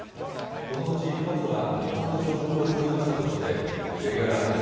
このうち１発は日本の上空を通過したとして、Ｊアラート